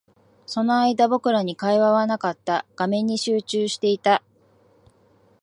その間、僕らに会話はなかった。画面に集中していた。